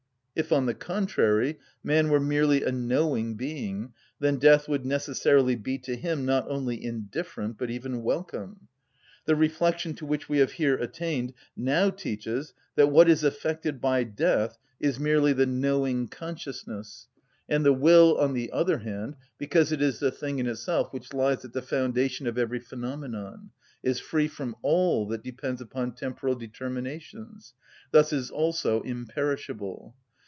If, on the contrary, man were merely a knowing being, then death would necessarily be to him not only indifferent, but even welcome. The reflection to which we have here attained now teaches that what is affected by death is merely the knowing consciousness, and the will, on the other hand, because it is the thing in itself, which lies at the foundation of every phenomenon, is free from all that depends upon temporal determinations, thus is also imperishable.